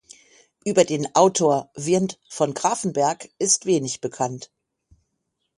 Über den Autor Wirnt von Grafenberg ist wenig bekannt.